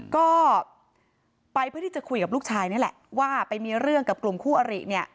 ก็ไปเพื่อที่จะคุยกับลูกชายนี่แหละว่าไปมีเรื่องกับกลุ่มคู่อริเนี่ย